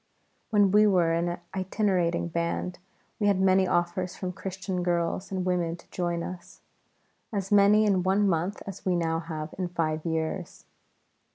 When we were an Itinerating Band, we had many offers from Christian girls and women to join us, as many in one month as we now have in five years.